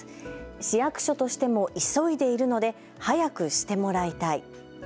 市役所としても急いでいるので早くしてもらいたい。